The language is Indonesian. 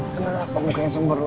kenapa mukanya sembrut